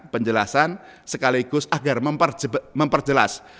penjelasan sekaligus agar memperjelas